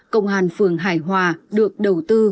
công an phường hải hòa được đầu tư